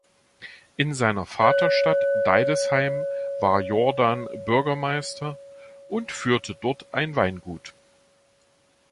In seiner Vaterstadt Deidesheim war Jordan Bürgermeister und führte dort ein Weingut.